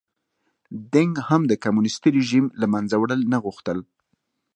دینګ هم د کمونېستي رژیم له منځه وړل نه غوښتل.